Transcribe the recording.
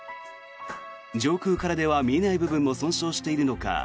上空からでは見えない部分も損傷しているのか